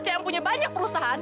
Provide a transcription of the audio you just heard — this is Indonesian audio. cm punya banyak perusahaan